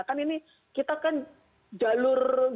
kan ini kita kan jalur jalur kita